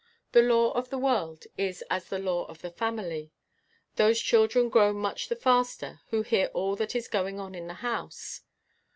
The law of the world is as the law of the family. Those children grow much the faster who hear all that is going on in the house.